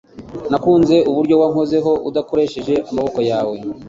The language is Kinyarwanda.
Nakunze uburyo wankozeho udakoresheje amaboko yawe